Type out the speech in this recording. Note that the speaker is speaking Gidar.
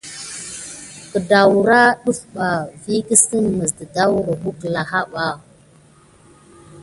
Koro awa dara ɗəf ɓa si matarkirguni de defda adawa.